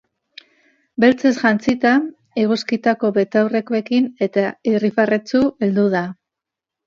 Beltzez jantzita, eguzkitako betaurrekoekin eta irribarretsu heldu da.